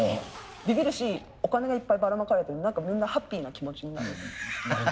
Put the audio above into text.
ビビるしお金がいっぱいばらまかれて何かみんなハッピーな気持ちになる。